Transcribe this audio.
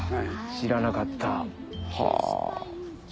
知らなかったはぁ。